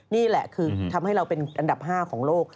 นี่แหละคือทำให้เราเป็นอันดับ๕ของโลก